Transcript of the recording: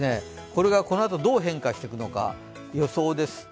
これがこのあとどう変化していくのか予想です。